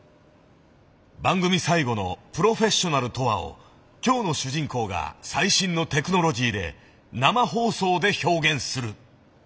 番組最後の「プロフェッショナルとは」を今日の主人公が最新のテクノロジーで生放送で表現する。